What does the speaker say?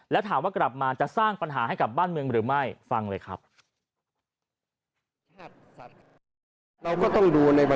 แล้วถามว่ากลับมาจะสร้างปัญหาให้กับบ้านเมืองหรือไม่ฟังเลยครับ